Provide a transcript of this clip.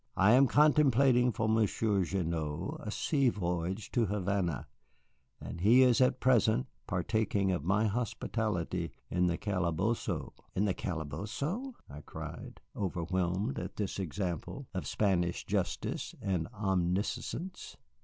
I am contemplating for Monsieur Gignoux a sea voyage to Havana, and he is at present partaking of my hospitality in the calabozo." "In the calabozo!" I cried, overwhelmed at this example of Spanish justice and omniscience.